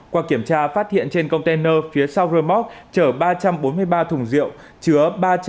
qua kiểm tra phát hiện trên container phía sau rơ móc chở ba trăm bốn mươi ba thùng rượu chứa ba trăm linh